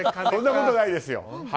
そんなことないですよ。